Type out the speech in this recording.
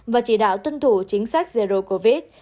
và chỉ đạo tuân thủ chính sách zero covid